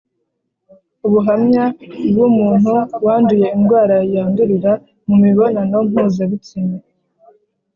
Ubuhamya bw’umuntu wanduye indwara yandurira mu mibonano mpuzabitsina